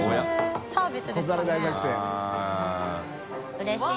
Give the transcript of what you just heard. うれしいな。